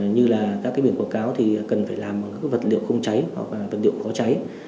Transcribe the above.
như là các biển quảng cáo cần phải làm bằng các vật liệu không cháy hoặc vật liệu có cháy